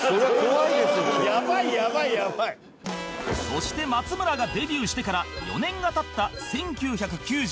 そして松村がデビューしてから４年が経った１９９２年